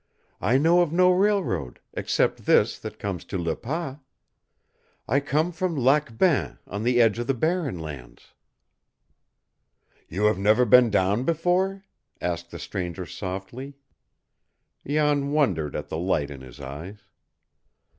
"I know of no railroad, except this that comes to Le Pas. I come from Lac Bain, on the edge of the barren lands." "You have never been down before?" asked the stranger softly. Jan wondered at the light in his eyes.